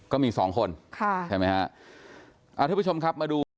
ก็มี๒คนใช่ไหมคะ